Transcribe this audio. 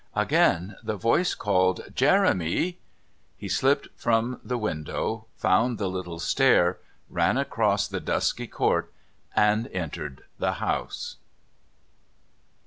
Again the voice called "Jeremy!" He slipped from the window, found the little stair, ran across the dusky court and entered the house.